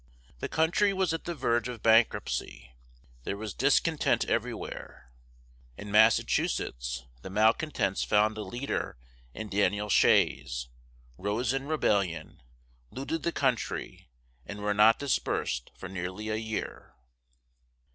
The country was at the verge of bankruptcy, there was discontent everywhere. In Massachusetts, the malcontents found a leader in Daniel Shays, rose in rebellion, looted the country, and were not dispersed for nearly a year.